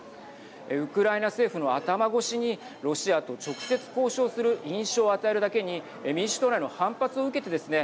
ウクライナ政府の頭越しにロシアと直接、交渉する印象を与えるだけに民主党内の反発を受けてですね